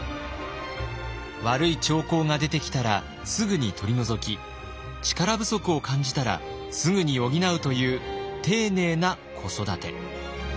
悪い兆候が出てきたらすぐに取り除き力不足を感じたらすぐに補うという丁寧な子育て。